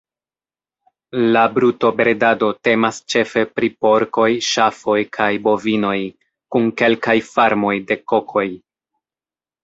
La brutobredado temas ĉefe pri porkoj, ŝafoj kaj bovinoj, kun kelkaj farmoj de kokoj.